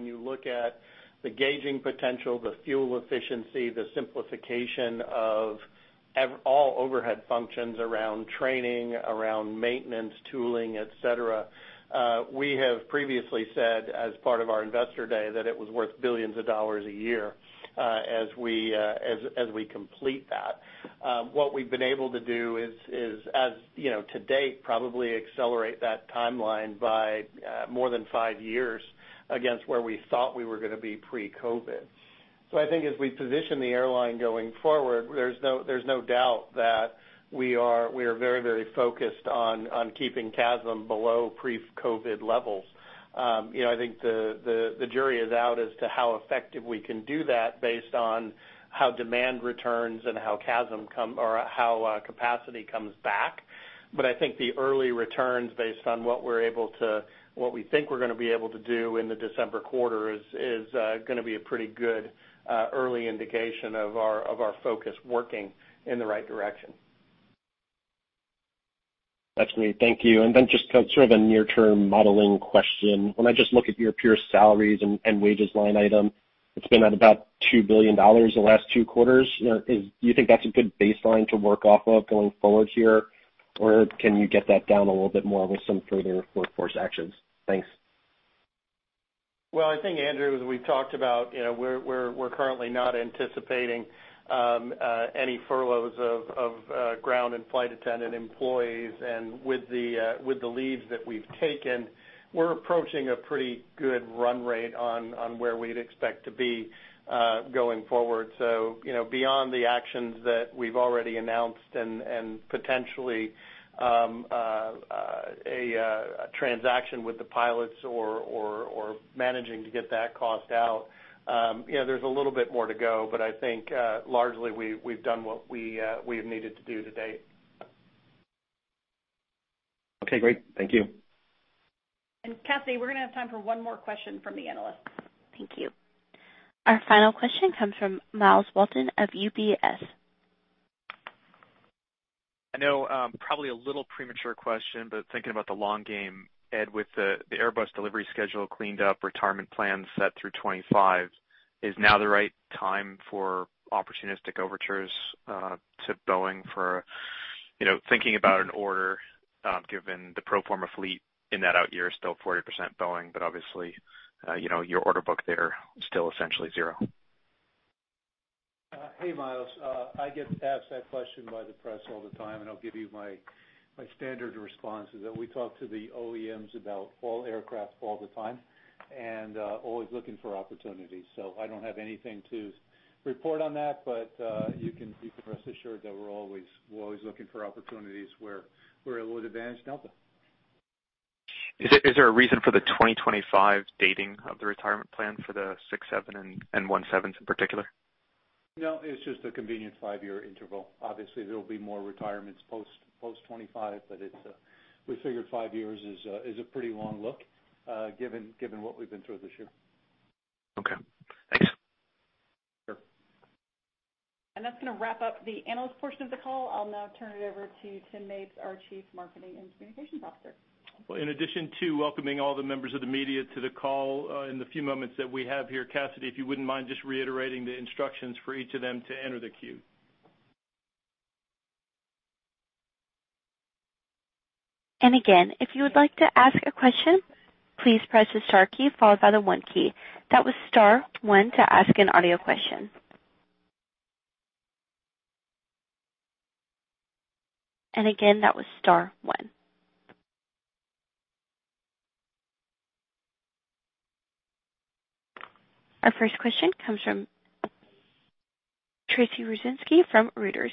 you look at the gauging potential, the fuel efficiency, the simplification of all overhead functions around training, around maintenance, tooling, et cetera, we have previously said as part of our investor day that it was worth billions of dollars a year as we complete that. What we've been able to do is, as today, probably accelerate that timeline by more than five years against where we thought we were going to be pre-COVID. I think as we position the airline going forward, there's no doubt that we are very focused on keeping CASM below pre-COVID levels. I think the jury is out as to how effective we can do that based on how demand returns and how capacity comes back. I think the early returns, based on what we think we're going to be able to do in the December quarter, is going to be a pretty good early indication of our focus working in the right direction. That's great. Thank you. Just sort of a near-term modeling question. When I just look at your pure salaries and wages line item, it's been at about $2 billion the last two quarters. Do you think that's a good baseline to work off of going forward here? Or can you get that down a little bit more with some further workforce actions? Thanks. Well, I think, Andrew, as we've talked about, we're currently not anticipating any furloughs of ground and flight attendant employees. With the leaves that we've taken, we're approaching a pretty good run rate on where we'd expect to be going forward. Beyond the actions that we've already announced and potentially a transaction with the pilots or managing to get that cost out, there's a little bit more to go. I think, largely, we've done what we've needed to do to date. Okay, great. Thank you. Cassidy, we're going to have time for one more question from the analysts. Thank you. Our final question comes from Myles Walton of UBS. I know probably a little premature question, thinking about the long game, Ed, with the Airbus delivery schedule cleaned up, retirement plans set through 2025, is now the right time for opportunistic overtures to Boeing for thinking about an order, given the pro forma fleet in that out year is still 40% Boeing, obviously, your order book there is still essentially zero? Hey, Myles. I get asked that question by the press all the time, and I'll give you my standard response, is that we talk to the OEMs about all aircraft all the time and always looking for opportunities. I don't have anything to report on that, but you can rest assured that we're always looking for opportunities where we're at a little advantage at Delta. Is there a reason for the 2025 dating of the retirement plan for the 67 and 17s in particular? No, it's just a convenient five-year interval. Obviously, there'll be more retirements post 2025, but we figured five years is a pretty long look given what we've been through this year. Okay, thanks. Sure. That's going to wrap up the analyst portion of the call. I'll now turn it over to Tim Mapes, our Chief Marketing and Communications Officer. Well, in addition to welcoming all the members of the media to the call, in the few moments that we have here, Cassidy, if you wouldn't mind just reiterating the instructions for each of them to enter the queue. Again, if you would like to ask a question, please press the star key followed by the one key. That was star one to ask an audio question. Again, that was star one. Our first question comes from Tracy Rucinski from Reuters.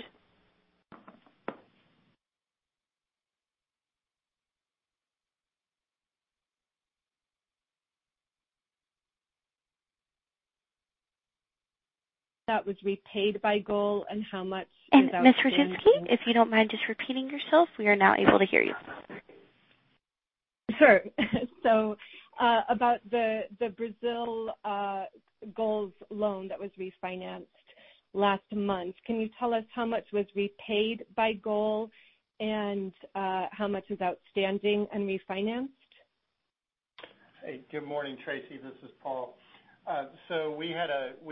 That was repaid by GOL and how much- Ms. Rucinski, if you don't mind just repeating yourself, we are now able to hear you. Sure. About the Brazil GOL's loan that was refinanced last month, can you tell us how much was repaid by GOL and how much is outstanding and refinanced? Hey, good morning, Tracy. This is Paul. We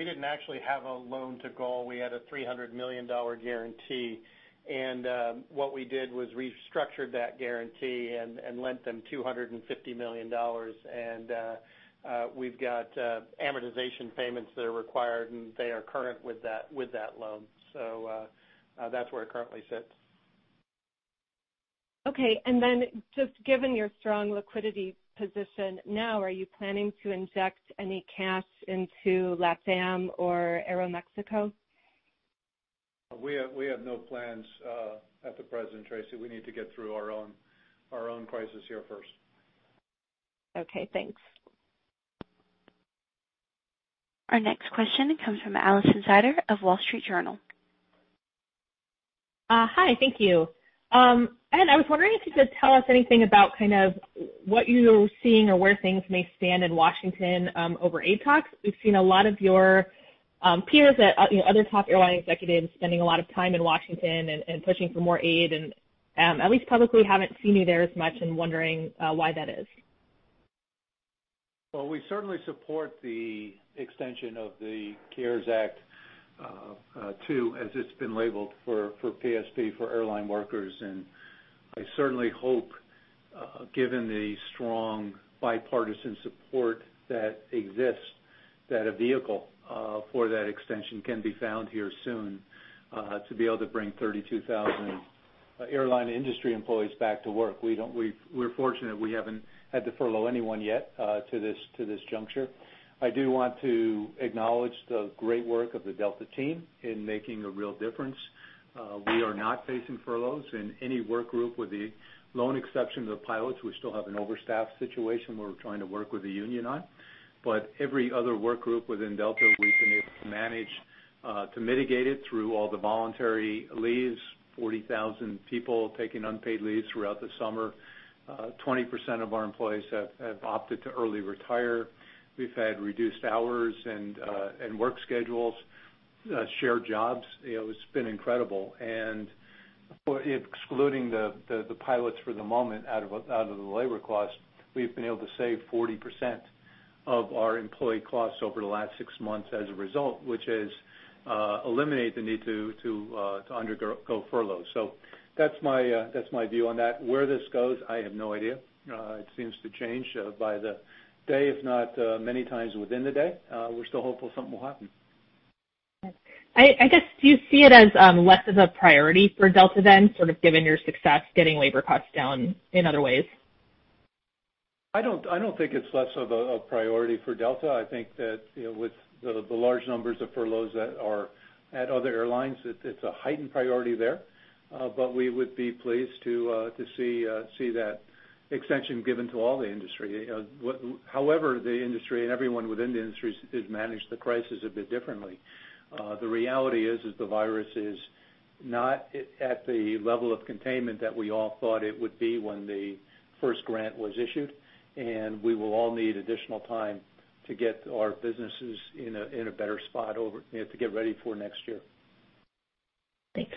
didn't actually have a loan to GOL. We had a $300 million guarantee, and what we did was restructured that guarantee and lent them $250 million. We've got amortization payments that are required, and they are current with that loan. That's where it currently sits. Okay. Then just given your strong liquidity position now, are you planning to inject any cash into LATAM or Aeroméxico? We have no plans at the present, Tracy. We need to get through our own crisis here first. Okay, thanks. Our next question comes from Alison Sider of Wall Street Journal. Hi, thank you. Ed, I was wondering if you could tell us anything about what you're seeing or where things may stand in Washington over aid talks. We've seen a lot of your peers and other top airline executives spending a lot of time in Washington and pushing for more aid, and at least publicly, haven't seen you there as much and wondering why that is. Well, we certainly support the extension of the CARES Act 2, as it's been labeled, for PSP, for airline workers, and I certainly hope given the strong bipartisan support that exists, that a vehicle for that extension can be found here soon to be able to bring 32,000 airline industry employees back to work. We're fortunate we haven't had to furlough anyone yet to this juncture. I do want to acknowledge the great work of the Delta team in making a real difference. We are not facing furloughs in any work group with the lone exception of the pilots. We still have an overstaffed situation we're trying to work with the union on. Every other work group within Delta, we've been able to manage to mitigate it through all the voluntary leaves, 40,000 people taking unpaid leaves throughout the summer. 20% of our employees have opted to early retire. We've had reduced hours and work schedules, shared jobs. It's been incredible. Excluding the pilots for the moment out of the labor cost, we've been able to save 40% of our employee costs over the last six months as a result, which has eliminated the need to undergo furloughs. That's my view on that. Where this goes, I have no idea. It seems to change by the day, if not many times within the day. We're still hopeful something will happen. I guess, do you see it as less of a priority for Delta then, sort of given your success getting labor costs down in other ways? I don't think it's less of a priority for Delta. I think that with the large numbers of furloughs that are at other airlines, it's a heightened priority there. We would be pleased to see that extension given to all the industry. However, the industry and everyone within the industry has managed the crisis a bit differently. The reality is, the virus is not at the level of containment that we all thought it would be when the first grant was issued, and we will all need additional time to get our businesses in a better spot over, to get ready for next year. Thanks.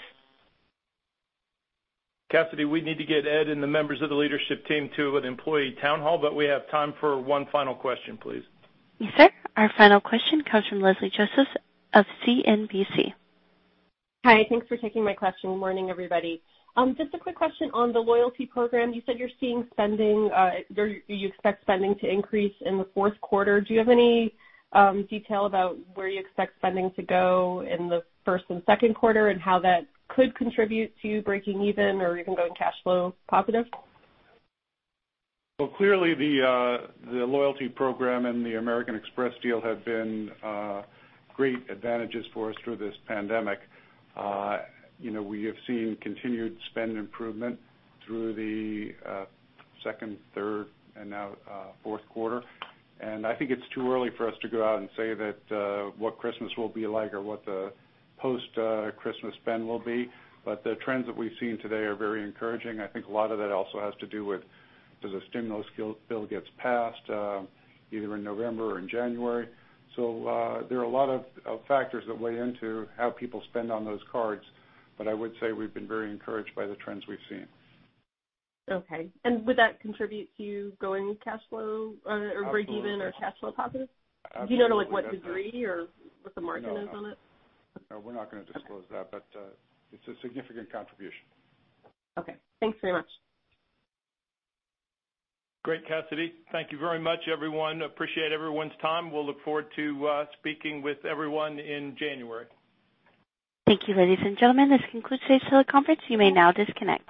Cassidy, we need to get Ed and the members of the leadership team to an employee town hall. We have time for one final question, please. Yes, sir. Our final question comes from Leslie Josephs of CNBC. Hi. Thanks for taking my question. Good morning, everybody. Just a quick question on the loyalty program. You said you're seeing spending, or you expect spending to increase in the fourth quarter. Do you have any detail about where you expect spending to go in the first and second quarter and how that could contribute to you breaking even or even going cash flow positive? Clearly the loyalty program and the American Express deal have been great advantages for us through this pandemic. We have seen continued spend improvement through the second, third, and now fourth quarter. I think it's too early for us to go out and say that what Christmas will be like or what the post-Christmas spend will be. The trends that we've seen today are very encouraging. I think a lot of that also has to do with does a stimulus bill gets passed, either in November or in January. There are a lot of factors that weigh into how people spend on those cards. I would say we've been very encouraged by the trends we've seen. Okay. Would that contribute to you going cash flow or break even or cash flow positive? Absolutely. Do you know to, like, what degree or what the margin is on it? No. No, we're not going to disclose that, but it's a significant contribution. Okay. Thanks very much. Great, Cassidy. Thank you very much, everyone. Appreciate everyone's time. We'll look forward to speaking with everyone in January. Thank you, ladies and gentlemen. This concludes today's teleconference. You may now disconnect.